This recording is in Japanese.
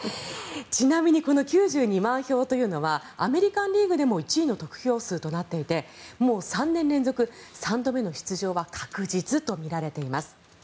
ちなみにこの９２万票というのはアメリカン・リーグでも１位の得票数となっていてもう３年連続３度目の出場は確実とみられています。